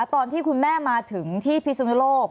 ตอนที่คุณแม่มาถึงที่พิสุนโลก